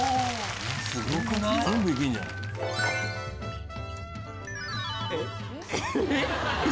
すごくない？えっ？